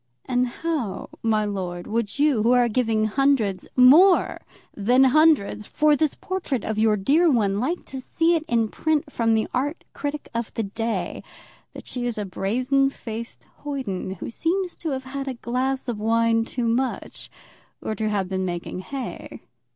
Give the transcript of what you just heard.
And how, my lord, would you, who are giving hundreds, more than hundreds, for this portrait of your dear one, like to see it in print from the art critic of the day, that she is a brazen faced hoyden who seems to have had a glass of wine too much, or to have been making hay?